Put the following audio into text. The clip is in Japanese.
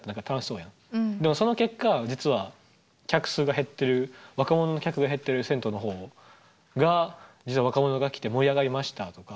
でもその結果実は客数が減っている若者の客が減っている銭湯の方が実は若者が来て盛り上がりましたとか。